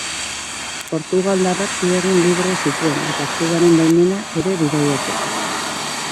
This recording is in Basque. Portugaldarrak bi egun libre zituen eta klubaren baimena ere bidaitzeko.